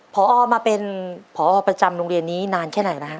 พอมาเป็นพอประจำโรงเรียนนี้นานแค่ไหนนะฮะ